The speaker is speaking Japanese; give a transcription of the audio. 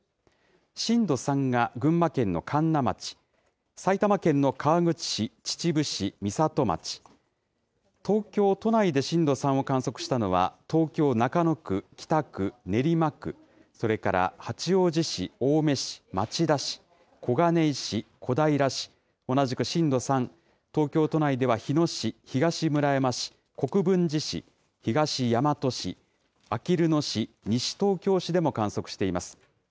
震度３が群馬県の神流町、埼玉県の川口市、秩父市、美里町、東京都内で震度３を観測したのは、東京・中野区、北区、練馬区、それから八王子市、青梅市、町田市、小金井市、小平市、同じく震度３、東京都内では日野市、東村山市、国分寺市、東大和市、あきる野市、西東京市でも観測しています。